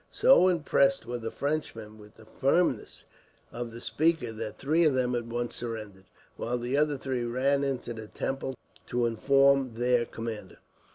So impressed were the Frenchmen with the firmness of the speaker that three of them at once surrendered, while the other three ran into the temple to inform their commander.